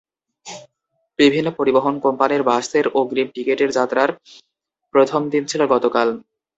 বিভিন্ন পরিবহন কোম্পানির বাসের অগ্রিম টিকিটের যাত্রার প্রথম দিন ছিল গতকাল।